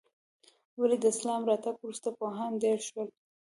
ولې د اسلام راتګ وروسته پوهان ډېر شول؟